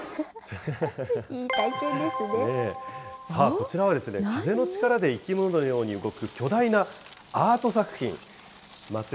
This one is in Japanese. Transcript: こちらは、風の力で生き物のように動く巨大なアート作品。